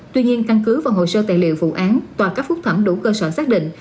tuy nhiên căn cứ vào hồ sơ tài liệu vụ án tòa cấp phúc thẩm đủ cơ sở xác định